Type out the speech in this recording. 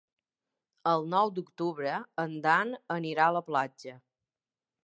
El nou d'octubre en Dan anirà a la platja.